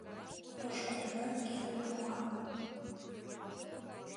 Пошкудылан кидым пуа.